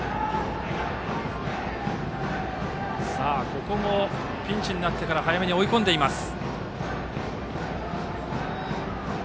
ここもピンチになってから早めに追い込んでいます。